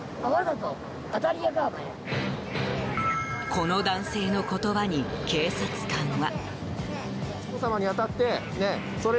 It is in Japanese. この男性の言葉に警察官は。